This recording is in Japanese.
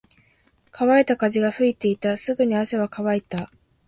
乾いた風が吹いていた。すぐに汗は乾いた。